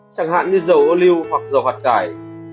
chẳng hạn như dầu ô lưu hoặc dầu hạt cải